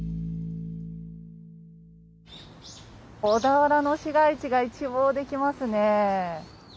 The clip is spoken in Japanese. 小田原の市街地が一望できますねえ。